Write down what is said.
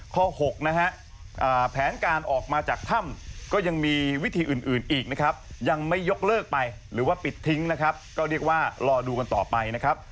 ข้อ๖นะฮะแผนการออกมาจากถ้ำก็ยังมีวิธีอื่นน้ำออกไปหรือว่าปิดทิ้งนะครับก็เรียกว่ารอดูกันต่อไปนะครับ